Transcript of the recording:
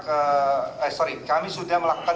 eh sorry kami sudah melakukan